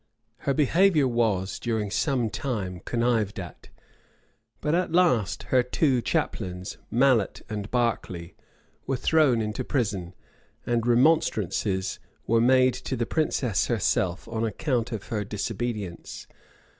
Her behavior was, during some time, connived at; but at last her two chaplains, Mallet and Berkeley, were thrown into prison;[] and remonstrances were made to the princess herself on account of her disobedience.